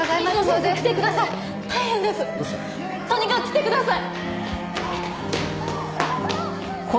とにかく来てください！